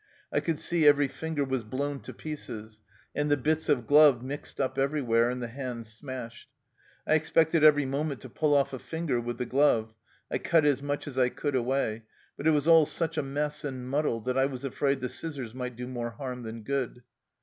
" I could see every finger was blown to pieces, and the bits of glove mixed up everywhere, and the hand smashed ; I expected every moment to pull off a finger with the glove. I cut as much as I could away, but it was all such a mess and muddle that I was afraid the scissors might do more harm than good."